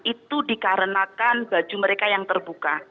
itu dikarenakan baju mereka yang terbuka